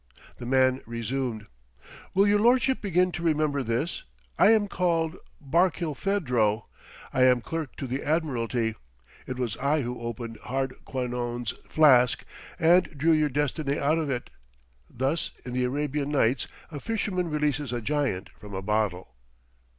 The man resumed, "Will your lordship deign to remember this: I am called Barkilphedro; I am clerk to the Admiralty. It was I who opened Hardquanonne's flask and drew your destiny out of it. Thus, in the 'Arabian Nights' a fisherman releases a giant from a bottle."